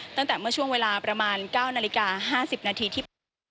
ตั้งแต่เมื่อช่วงเวลาประมาณ๙นาฬิกา๕๐นาทีที่